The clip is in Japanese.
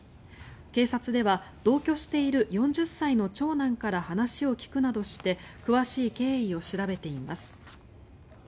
警察では同居している４０歳の長男から話を聞くなどして詳しい経緯を調べています。